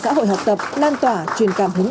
xã hội học tập lan tỏa truyền cảm hứng